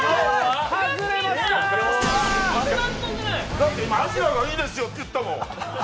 だって今、明がいいですよって言ったもん。